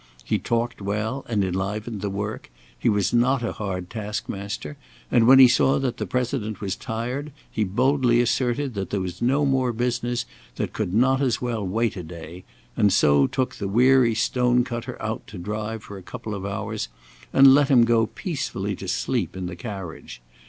He talked well and enlivened the work; he was not a hard taskmaster, and when he saw that the President was tired, he boldly asserted that there was no more business that could not as well wait a day, and so took the weary Stone cutter out to drive for a couple of hours, and let him go peacefully to sleep in the carriage.